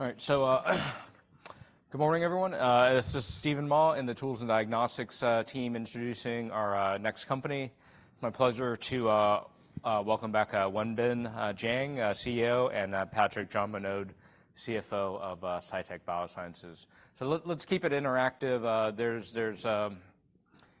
All right, so, good morning, everyone. This is Steven Mah in the Tools and Diagnostics team introducing our next company. It's my pleasure to welcome back Wenbin Jiang, CEO, and Patrik Jeanmonod, CFO of Cytek Biosciences. So let's keep it interactive. There's,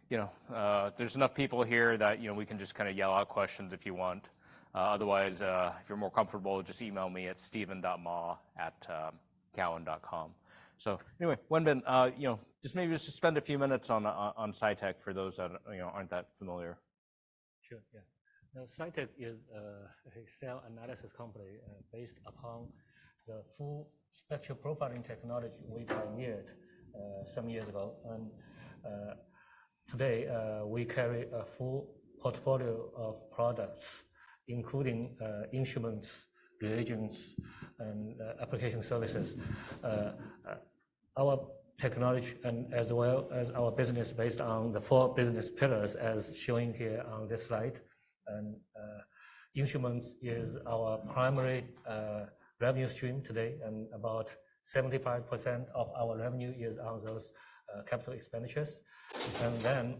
you know, there's enough people here that, you know, we can just kinda yell out questions if you want. Otherwise, if you're more comfortable, just email me at steven.mah@cowen.com. So anyway, Wenbin, you know, just maybe just spend a few minutes on Cytek for those that, you know, aren't that familiar. Sure, yeah. Now, Cytek is a cell analysis company, based upon the Full Spectrum Profiling technology we pioneered some years ago. Today, we carry a full portfolio of products, including instruments, reagents, and application services. Our technology, as well as our business, is based on the four business pillars, as shown here on this slide. Instruments is our primary revenue stream today, and about 75% of our revenue is on those capital expenditures. And then,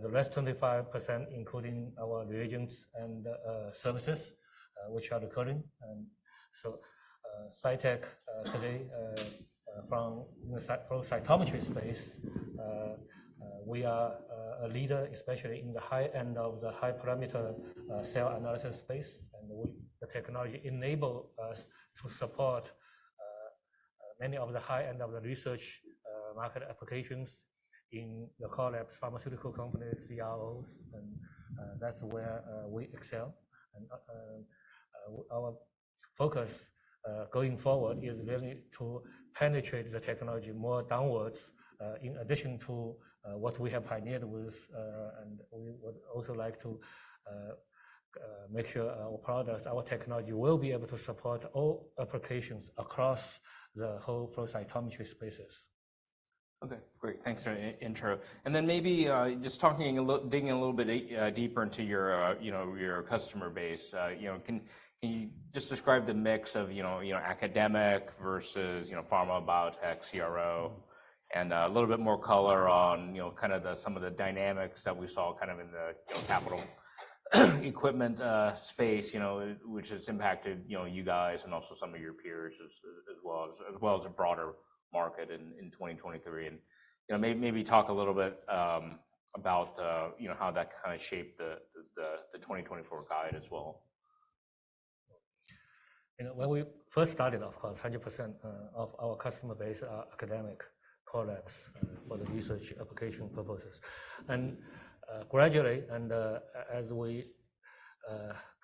the rest 25%, including our reagents and services, which are recurring. And so, Cytek today in the cytometry space, we are a leader, especially in the high end of the high-parameter cell analysis space. And our technology enables us to support many of the high-end research market applications in the core labs, pharmaceutical companies, CROs. And that's where we excel. With our focus, going forward, is really to penetrate the technology more downwards, in addition to what we have pioneered with, and we would also like to make sure our products, our technology will be able to support all applications across the whole flow cytometry spaces. Okay, great. Thanks for the intro. And then maybe, just talking a little bit, digging a little bit deeper into your, you know, your customer base. You know, can you just describe the mix of, you know, academic versus, you know, pharma, biotech, CRO, and a little bit more color on, you know, kinda some of the dynamics that we saw kind of in the, you know, capital equipment space, you know, which has impacted, you know, you guys and also some of your peers as well as a broader market in 2023. And, you know, maybe talk a little bit about, you know, how that kinda shaped the 2024 guide as well. You know, when we first started, of course, 100% of our customer base are academic products, for the research application purposes. And gradually, as we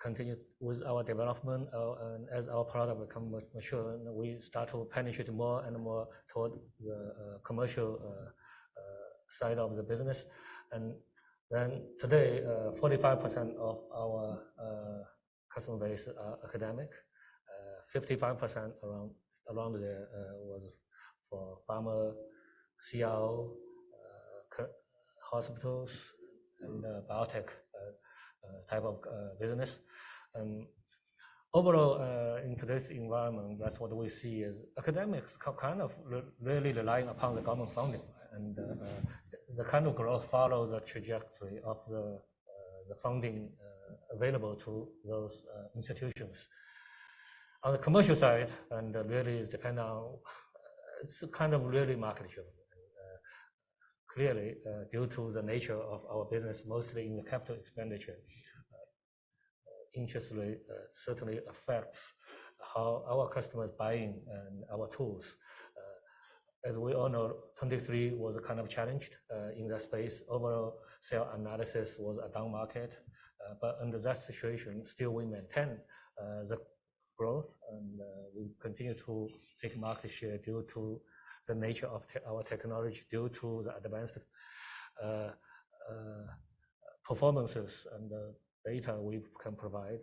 continue with our development, and as our product become mature, and we start to penetrate more and more toward the commercial side of the business. And then today, 45% of our customer base are academic, 55% around there was for pharma, CRO, hospitals, and biotech type of business. And overall, in today's environment, that's what we see is academics kind of really relying upon the government funding. The kind of growth follows the trajectory of the funding available to those institutions. On the commercial side, really it's dependent on it's kind of really market share. Clearly, due to the nature of our business, mostly in the capital expenditure, interest rate certainly affects how our customers buying and our tools. As we all know, 2023 was kind of challenged in that space. Overall, cell analysis was a down market. Under that situation, still we maintain the growth, and we continue to take market share due to the nature of our technology, due to the advanced performances and the data we can provide.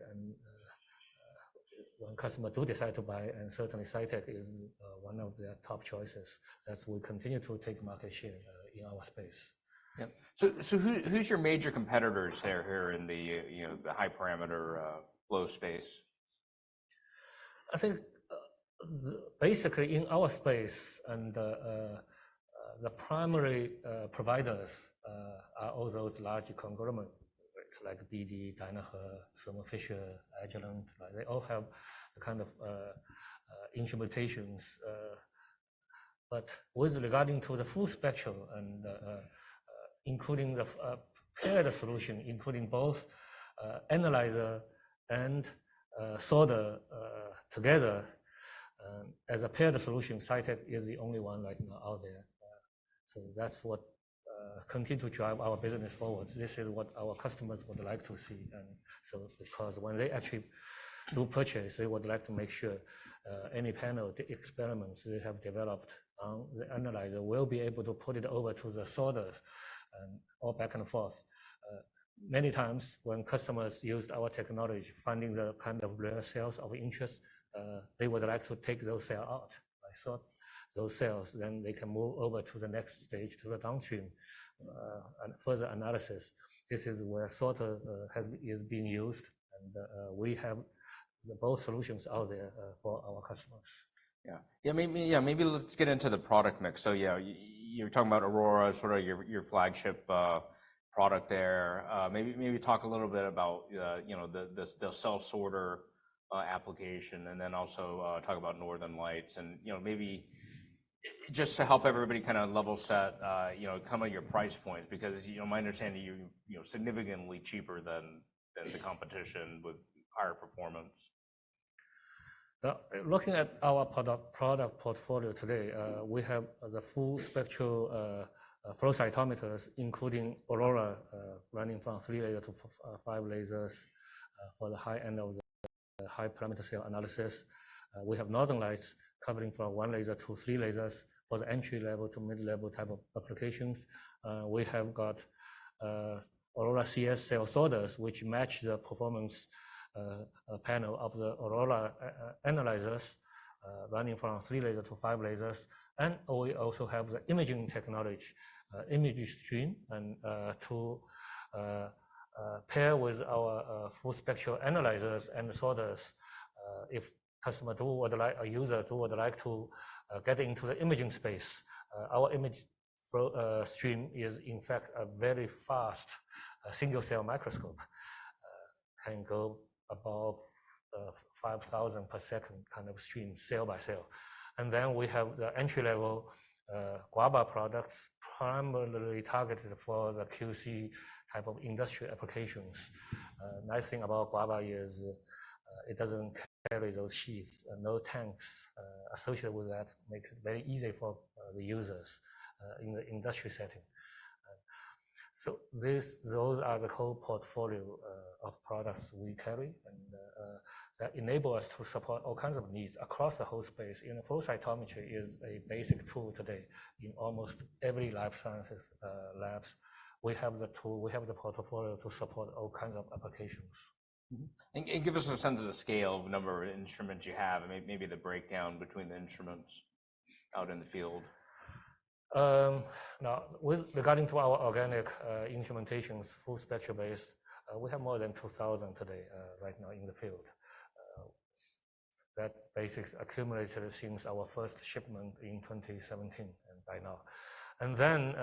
When customers do decide to buy, and certainly Cytek is one of their top choices, that’s why we continue to take market share in our space. Yep. So, who’s your major competitors here in the, you know, the high-parameter flow space? I think basically, in our space, the primary providers are all those large conglomerates, like BD, Danaher, Thermo Fisher, Agilent. Like, they all have the kind of instrumentations. But with regard to the full spectrum and, including the FSP paired solution, including both analyzer and sorter together, as a paired solution, Cytek is the only one right now out there. So that's what continue to drive our business forward. This is what our customers would like to see. And so because when they actually do purchase, they would like to make sure any panel the experiments they have developed on the analyzer will be able to put it over to the sorters and all back and forth. Many times when customers used our technology, finding the kind of rare cells of interest, they would like to take those cells out. I sort those cells, then they can move over to the next stage, to the downstream, and further analysis. This is where sorters are being used. We have both solutions out there for our customers. Yeah, maybe let's get into the product mix. So yeah, you're talking about Aurora, sort of your flagship product there. Maybe talk a little bit about, you know, the cell sorter application, and then also talk about Northern Lights. And, you know, maybe I just to help everybody kinda level set, you know, kinda your price points, because, you know, my understanding, you're, you know, significantly cheaper than the competition with higher performance. Looking at our product portfolio today, we have the full spectral flow cytometers, including Aurora, running from three lasers to five lasers, for the high end of the high-parameter cell analysis. We have Northern Lights covering from one laser to three lasers for the entry-level to mid-level type of applications. We have Aurora CS cell sorters, which match the performance panel of the Aurora analyzers, running from three lasers to five lasers. And we also have the imaging technology, ImageStream, and to pair with our full spectral analyzers and sorters, if a customer would like to get into the imaging space, our ImageStream is, in fact, a very fast single-cell microscope, can go above 5,000 per second kind of stream, cell by cell. And then we have the entry-level Guava products, primarily targeted for the QC type of industry applications. nice thing about Guava is, it doesn't carry those sheaths. No tanks associated with that makes it very easy for the users in the industry setting. So this those are the whole portfolio of products we carry. And that enable us to support all kinds of needs across the whole space. You know, flow cytometry is a basic tool today in almost every life sciences labs. We have the tool we have the portfolio to support all kinds of applications. Mm-hmm. And give us a sense of the scale of number of instruments you have, and maybe the breakdown between the instruments out in the field. Now, with regard to our organic instrumentation, full spectral-based, we have more than 2,000 today, right now in the field. That base accumulated since our first shipment in 2017 and by now. And then,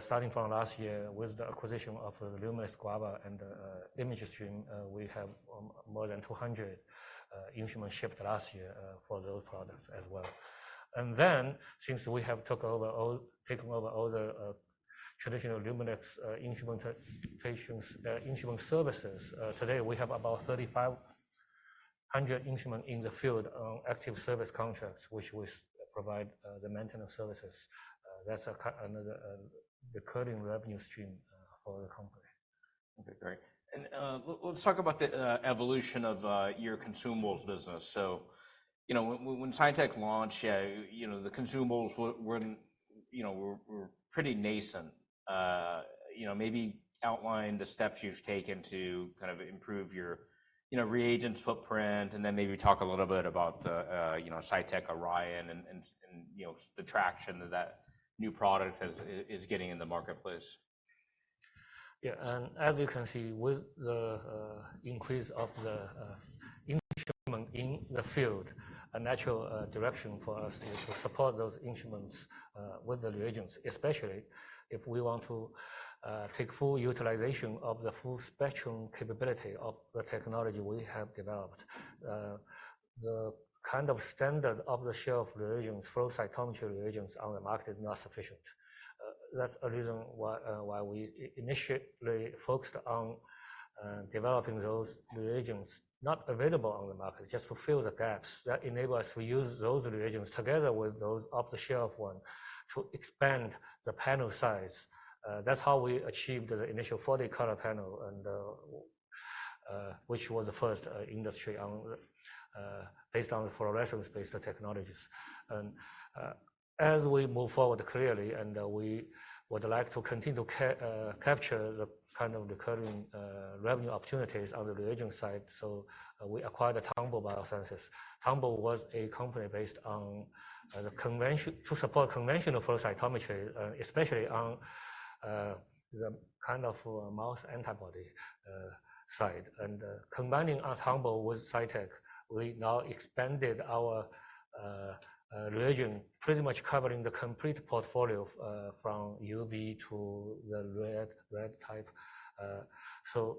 starting from last year, with the acquisition of the Luminex Guava and the ImageStream, we have more than 200 instruments shipped last year for those products as well. And then, since we have taken over all the traditional Luminex instrumentation instrument services, today we have about 3,500 instruments in the field on active service contracts, which we provide the maintenance services. That's a key another recurring revenue stream for the company. Okay, great. And, let's talk about the evolution of your consumables business. So, you know, when Cytek launched, yeah, you know, the consumables were pretty nascent. You know, maybe outline the steps you've taken to kind of improve your reagent footprint, and then maybe talk a little bit about the Cytek Orion and the traction that that new product is getting in the marketplace. Yeah. And as you can see, with the increase of the instrument in the field, a natural direction for us is to support those instruments with the reagents, especially if we want to take full utilization of the full spectrum capability of the technology we have developed. The kind of standard off-the-shelf reagents, flow cytometry reagents on the market is not sufficient. That's a reason why we initially focused on developing those reagents not available on the market, just to fill the gaps. That enables us to use those reagents together with those off-the-shelf ones to expand the panel size. That's how we achieved the initial 40-color panel and which was the first in the industry based on the fluorescence-based technologies. And as we move forward, clearly, we would like to continue to capture the kind of recurring revenue opportunities on the reagent side. So, we acquired Tonbo Biosciences. Tonbo was a company based on the conventional to support conventional flow cytometry, especially on the kind of mouse antibody side. And combining our Tonbo with Cytek, we now expanded our reagent pretty much covering the complete portfolio, from UV to the far-red type. So,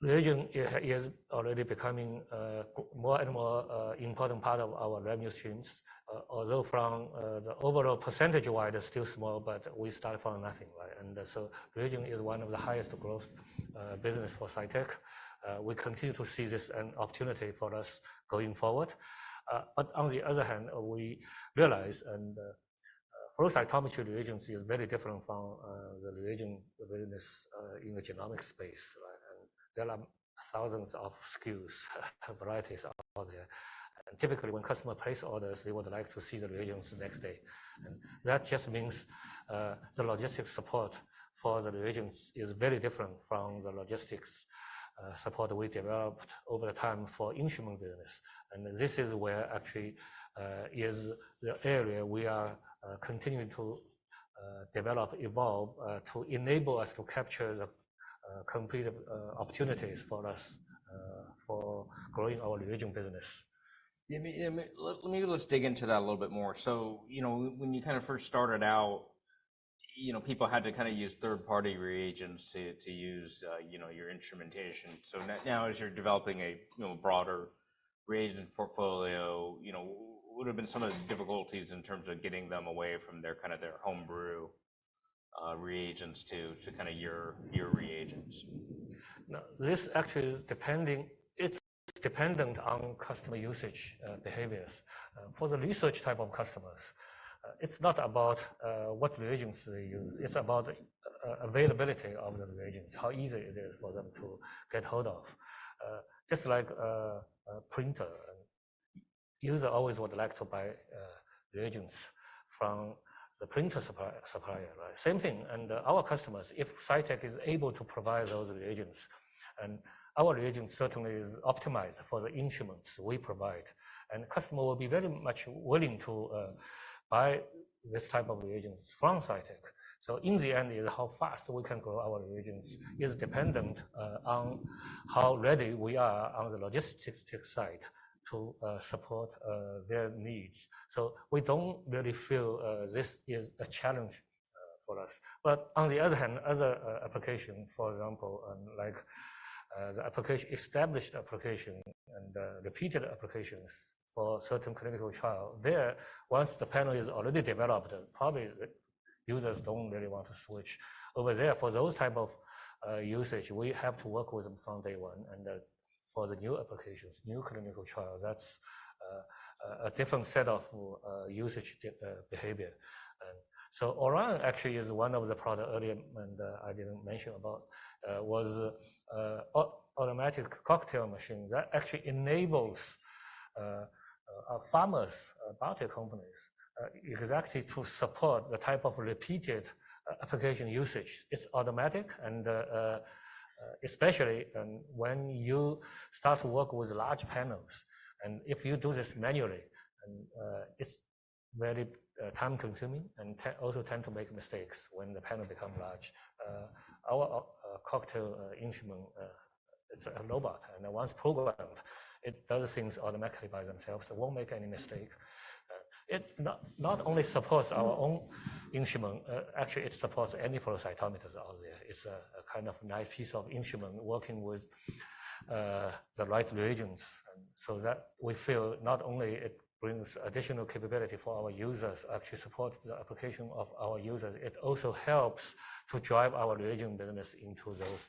reagent is already becoming more and more important part of our revenue streams. Although from the overall percentage-wise, it's still small, but we start from nothing, right? And so reagent is one of the highest growth business for Cytek. We continue to see this an opportunity for us going forward. But on the other hand, we realize flow cytometry reagents is very different from the reagent business in the genomic space, right? And there are thousands of SKUs, varieties out there. And typically, when customer place orders, they would like to see the reagents the next day. That just means the logistics support for the reagents is very different from the logistics support we developed over the time for instrument business. This is where actually is the area we are continuing to develop, evolve, to enable us to capture the complete opportunities for us for growing our reagent business. Yeah. I mean, let me just dig into that a little bit more. So, you know, when you kind of first started out, you know, people had to kind of use third-party reagents to use, you know, your instrumentation. So now as you're developing a broader reagent portfolio, you know, what have been some of the difficulties in terms of getting them away from their kind of their homebrew reagents to kind of your reagents? No, this actually depending—it's dependent on customer usage behaviors. For the research type of customers, it's not about what reagents they use. It's about availability of the reagents, how easy it is for them to get hold of. Just like a printer, and user always would like to buy reagents from the printer supplier, right? Same thing. And our customers, if Cytek is able to provide those reagents, and our reagent certainly is optimized for the instruments we provide, and customer will be very much willing to buy this type of reagents from Cytek. So in the end, it's how fast we can grow our reagents is dependent on how ready we are on the logistics-type side to support their needs. So we don't really feel this is a challenge for us. But on the other hand, other applications, for example, and like, the established applications and repeated applications for certain clinical trials, there, once the panel is already developed, probably the users don't really want to switch. Over there, for those types of usage, we have to work with them from day one. For the new applications, new clinical trials, that's a different set of usage behavior. So Orion actually is one of the products earlier, and I didn't mention about, which was, the automatic cocktail machine. That actually enables our pharma, biotech companies exactly to support the type of repeated application usage. It's automatic. And especially, when you start to work with large panels, and if you do this manually, it's very time-consuming and they also tend to make mistakes when the panel becomes large. Our cocktail instrument, it's a robot. And once programmed, it does things automatically by themselves. It won't make any mistake. It not only supports our own instrument, actually, it supports any flow cytometers out there. It's a kind of nice piece of instrument working with the right reagents. And so that we feel not only it brings additional capability for our users, actually support the application of our users, it also helps to drive our reagent business into those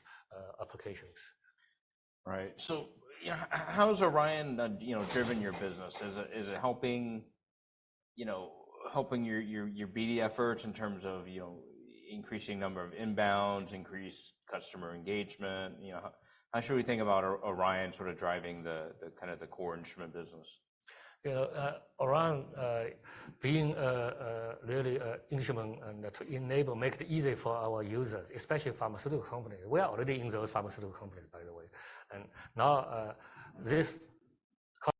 applications. Right. So, you know, how has Orion, you know, driven your business? Is it helping, you know, helping your BD efforts in terms of, you know, increasing number of inbounds, increased customer engagement? You know, how should we think about Orion sort of driving the kind of core instrument business? You know, Orion being really instrument and to enable make it easy for our users, especially pharmaceutical companies. We are already in those pharmaceutical companies, by the way. And now, this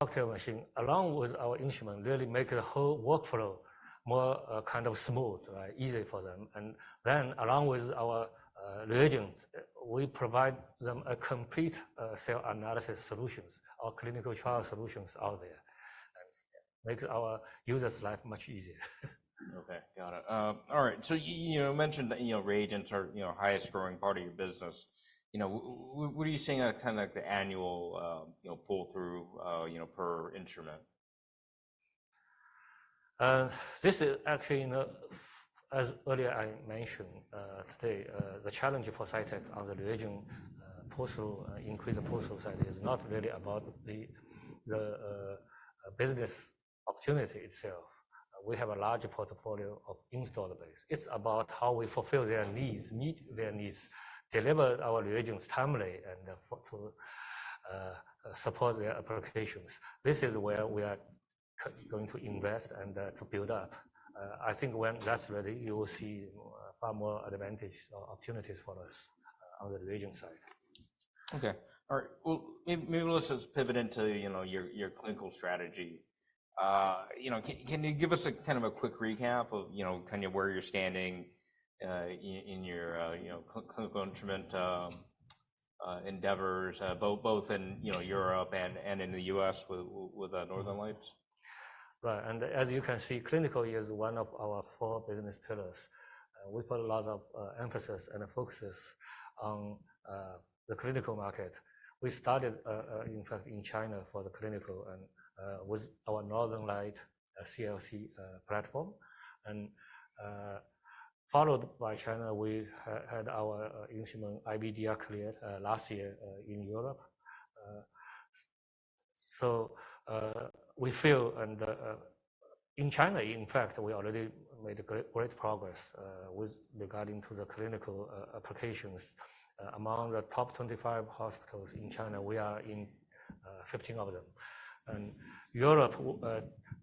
cocktail machine along with our instrument really make the whole workflow more kind of smooth, right, easy for them. And then, along with our reagents, we provide them a complete cell analysis solutions, our clinical trial solutions out there, and make our users' life much easier. Okay. Got it. All right. So you know, you mentioned that, you know, reagents are, you know, highest-growing part of your business. You know, what are you seeing, kinda like, the annual, you know, pull-through, you know, per instrument? This is actually, you know, as earlier I mentioned, today, the challenge for Cytek on the reagent, pull-through, increased pull-through side is not really about the, the, business opportunity itself. We have a large portfolio of installed base. It's about how we fulfill their needs, meet their needs, deliver our reagents timely, and to support their applications. This is where we are going to invest and to build up. I think when that's ready, you will see far more advantages or opportunities for us, on the reagent side. Okay. All right. Well, maybe let's just pivot into, you know, your clinical strategy. You know, can you give us a kind of a quick recap of, you know, kinda where you're standing, in your, you know, clinical instrument endeavors, both in, you know, Europe and in the US with Northern Lights? Right. And as you can see, clinical is one of our four business pillars. We put a lot of emphasis and focuses on the clinical market. We started, in fact, in China for the clinical and with our Northern Lights CLC platform. And followed by China, we had our instrument IVDR clearance last year in Europe. So we feel and in China, in fact, we already made great progress with regard to the clinical applications. Among the top 25 hospitals in China, we are in 15 of them. And in Europe,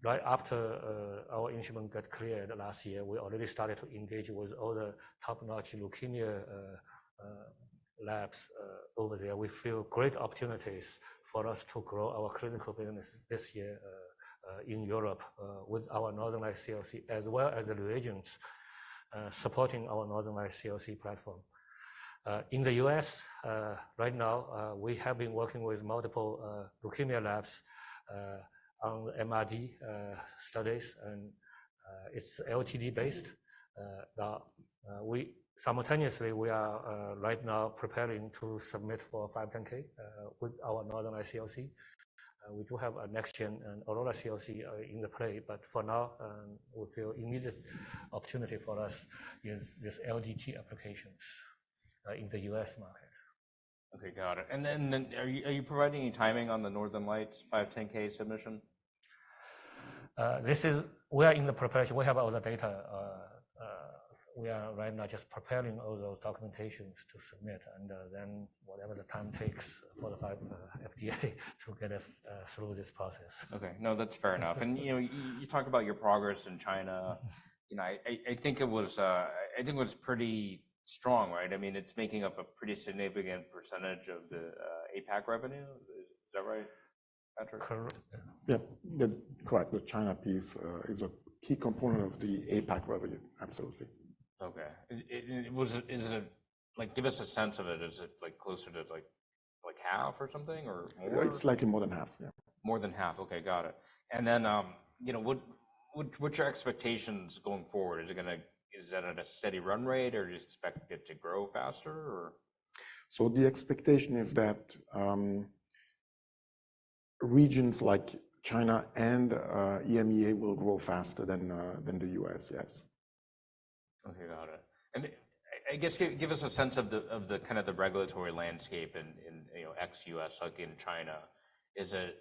right after our instrument got cleared last year, we already started to engage with all the top-notch leukemia labs over there. We feel great opportunities for us to grow our clinical business this year in Europe with our Northern Lights CLC as well as the reagents supporting our Northern Lights CLC platform. In the US, right now, we have been working with multiple leukemia labs on MRD studies, and it's LDT-based. Now, we simultaneously, we are right now preparing to submit for 510(k) with our Northern Lights CLC. We do have a next-gen and Aurora CLC in the play. But for now, we feel immediate opportunity for us is this LDT applications in the US market. Okay. Got it. And then, are you providing any timing on the Northern Lights 510(k) submission? This is, we are in the preparation. We have all the data. We are right now just preparing all those documentation to submit, and then whatever the time takes for the 510(k), FDA to get us through this process. Okay. No, that's fair enough. And, you know, you talk about your progress in China. You know, I think it was pretty strong, right? I mean, it's making up a pretty significant percentage of the APAC revenue. Is that right, Patrik? Correct. Yeah. Yeah. Correct. The China piece is a key component of the APAC revenue. Absolutely. Okay. Give us a sense of it. Is it, like, closer to, like, half or something, or more? Well, it's slightly more than half. Yeah. More than half. Okay. Got it. And then, you know, what's your expectations going forward? Is it gonna, is that at a steady run rate, or do you expect it to grow faster, or? So the expectation is that regions like China and EMEA will grow faster than the US. Yes. Okay. Got it. And I guess give us a sense of the kind of the regulatory landscape in, you know, ex-US, like in China. Is it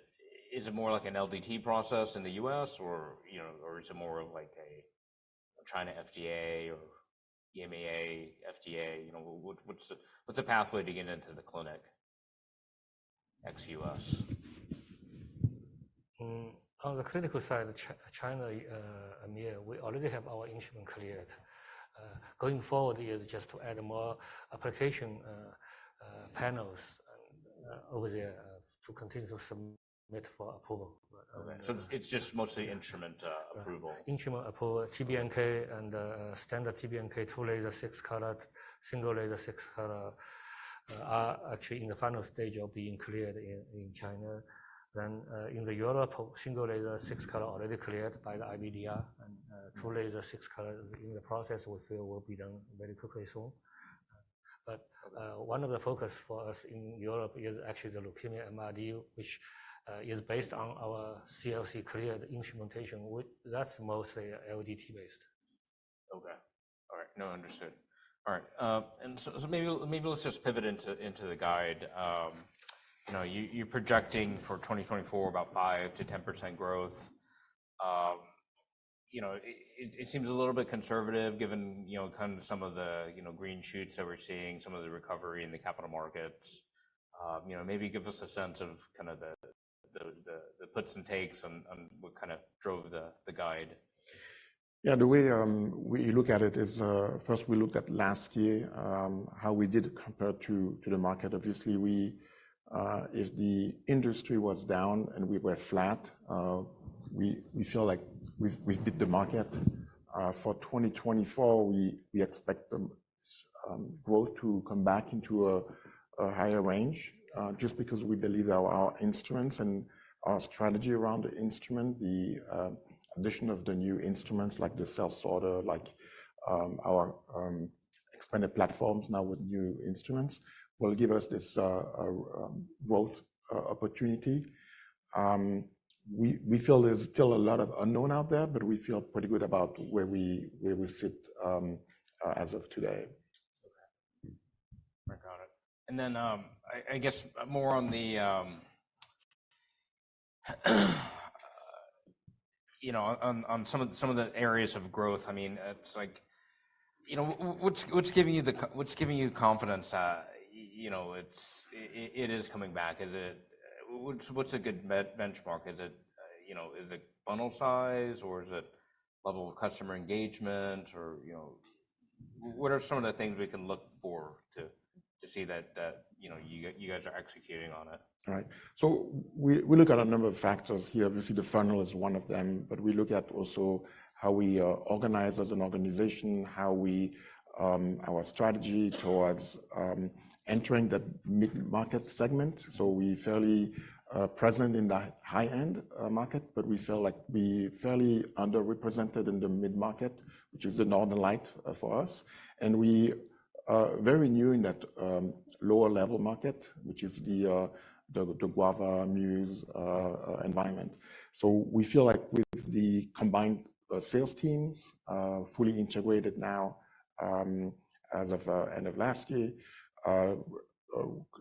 is it more like an LDT process in the US, or, you know, or is it more of like a China FDA or EMEA FDA? You know, what's the pathway to get into the clinic ex-US? On the clinical side, China, EMEA, we already have our instrument cleared. Going forward is just to add more application, panels, over there, to continue to submit for approval. Okay. So it's, it's just mostly instrument approval? Right. Instrument approval. TBNK and standard TBNK, two-laser, six-color, single-laser, six-color, are actually in the final stage of being cleared in China. Then, in Europe, single-laser, six-color already cleared by the IVDR, and two-laser, six-color is in the process. We feel will be done very quickly soon. But one of the focus for us in Europe is actually the leukemia MRD, which is based on our CLC-cleared instrumentation. That's mostly LDT-based. Okay. All right. No, understood. All right. And so, maybe let's just pivot into the guide. You know, you're projecting for 2024 about 5%-10% growth. You know, it seems a little bit conservative given, you know, kinda some of the green shoots that we're seeing, some of the recovery in the capital markets. You know, maybe give us a sense of kinda the puts and takes on what kinda drove the guide. Yeah. We look at it as, first, we look at last year, how we did compared to the market. Obviously, if the industry was down and we were flat, we feel like we've beat the market. For 2024, we expect the market's growth to come back into a higher range, just because we believe our instruments and our strategy around the instrument, the addition of the new instruments like the cell sorter, like our expanded platforms now with new instruments will give us this growth opportunity. We feel there's still a lot of unknown out there, but we feel pretty good about where we sit as of today. Okay. All right. Got it. And then, I guess more on the, you know, on some of the areas of growth, I mean, it's like, you know, what's giving you confidence that, you know, it is coming back? Is it what's a good benchmark? Is it, you know, is it funnel size, or is it level of customer engagement, or, you know, what are some of the things we can look for to see that, you know, you guys are executing on it? Right. So we look at a number of factors here. Obviously, the funnel is one of them. But we look at also how we organize as an organization, how we our strategy towards entering the mid-market segment. So we're fairly present in the high-end market, but we feel like we're fairly underrepresented in the mid-market, which is the Northern Lights for us. And we are very new in that lower-level market, which is the Guava Muse environment. So we feel like with the combined sales teams, fully integrated now, as of end of last year,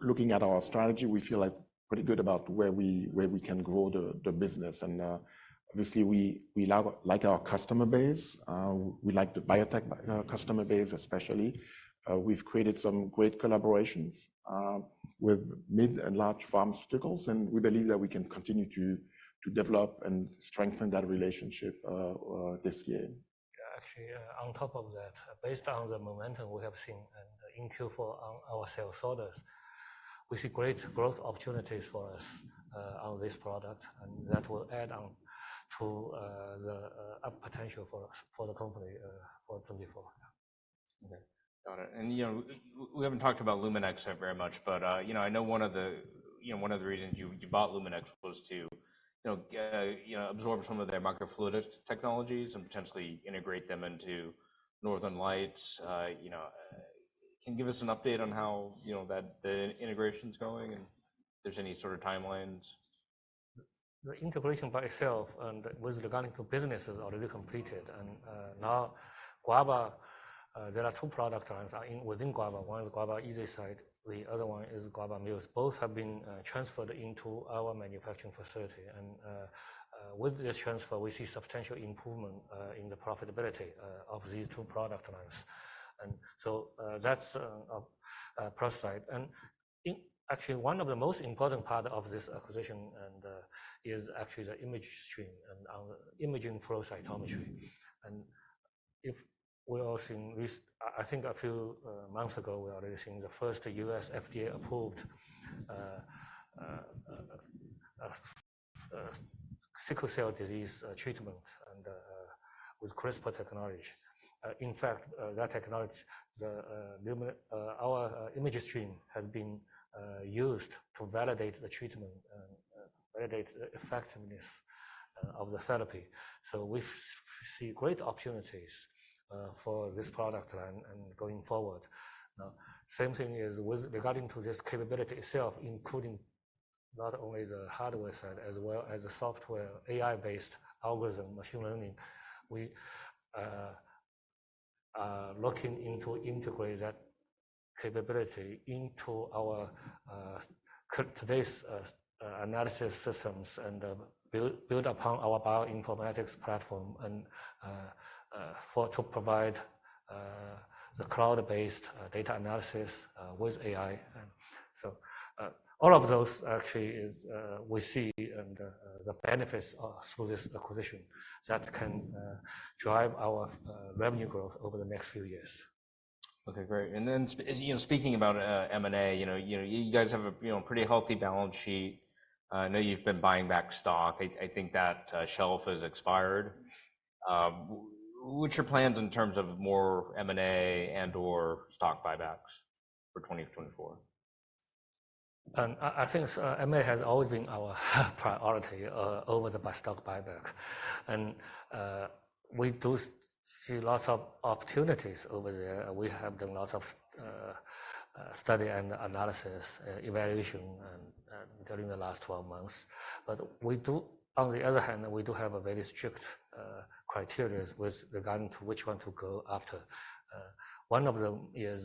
looking at our strategy, we feel like pretty good about where we can grow the business. And obviously, we like our customer base. We like the biotech customer base especially. We've created some great collaborations with mid and large pharmaceuticals. We believe that we can continue to develop and strengthen that relationship, this year. Yeah. Actually, on top of that, based on the momentum we have seen and the in-queue for our cell sorters, we see great growth opportunities for us, on this product. And that will add on to, the, up potential for us for the company, for 2024. Yeah. Okay. Got it. And, you know, we haven't talked about Luminex very much, but, you know, I know one of the you know, one of the reasons you bought Luminex was to, you know, absorb some of their microfluidics technologies and potentially integrate them into Northern Lights. You know, can you give us an update on how, you know, that the integration's going and if there's any sort of timelines? The integration by itself and with regard to businesses already completed. And now, Guava, there are two product lines within Guava. One is Guava easyCyte. The other one is Guava Muse. Both have been transferred into our manufacturing facility. And with this transfer, we see substantial improvement in the profitability of these two product lines. And so, that's a plus side. And actually, one of the most important part of this acquisition is actually the ImageStream and the imaging flow cytometry. And recently, I think a few months ago, we already seen the first US FDA-approved sickle cell disease treatment with CRISPR technology. In fact, that technology, the Luminex ImageStream has been used to validate the treatment and validate the effectiveness of the therapy. So we feel we see great opportunities for this product line and going forward. Now, same thing is with regard to this capability itself, including not only the hardware side as well as the software, AI-based algorithm, machine learning. We are looking into integrating that capability into our Cytek's analysis systems and build upon our bioinformatics platform and for to provide the cloud-based data analysis with AI. And so, all of those actually is we see and the benefits are through this acquisition that can drive our revenue growth over the next few years. Okay. Great. And then, speaking about M&A, you know, you guys have a pretty healthy balance sheet. I know you've been buying back stock. I think that shelf has expired. What's your plans in terms of more M&A and/or stock buybacks for 2024? And I think, M&A has always been our priority over buyback. And we do see lots of opportunities over there. We have done lots of study and analysis, evaluation during the last 12 months. But we do, on the other hand, have very strict criteria with regard to which one to go after. One of them is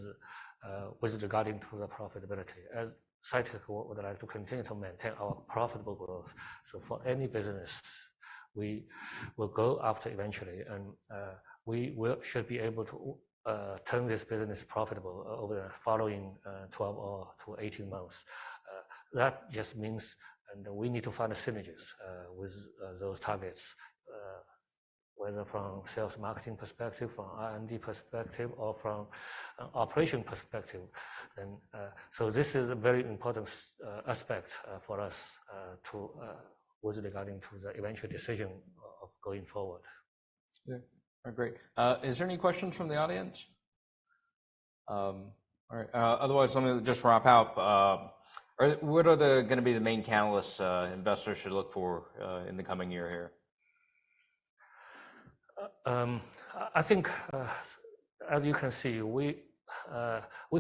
with regard to the profitability. As Cytek would like to continue to maintain our profitable growth. So for any business we will go after eventually. And we should be able to turn this business profitable over the following 12 or 18 months. That just means and we need to find a synergy with those targets, whether from sales marketing perspective, from R&D perspective, or from an operation perspective. So this is a very important aspect for us with regard to the eventual decision of going forward. Yeah. All right. Great. Is there any questions from the audience? All right. Otherwise, let me just wrap up. What are gonna be the main catalysts investors should look for in the coming year here? I think, as you can see, we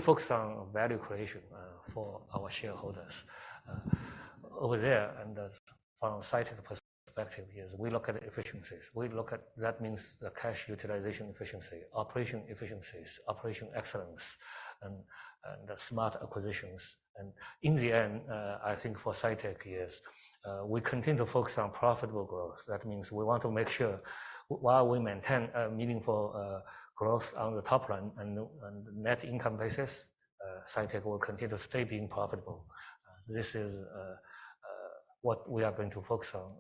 focus on value creation, for our shareholders, over there. And as from Cytek perspective, yes, we look at efficiencies. We look at that means the cash utilization efficiency, operation efficiencies, operation excellence, and smart acquisitions. And in the end, I think for Cytek is, we continue to focus on profitable growth. That means we want to make sure while we maintain, meaningful, growth on the top line and net income basis, Cytek will continue to stay being profitable. This is, what we are going to focus on,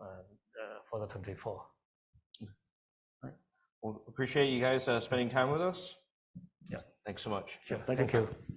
for the 2024. All right. Well, appreciate you guys, spending time with us. Yeah. Thanks so much. Sure. Thank you. Thank you.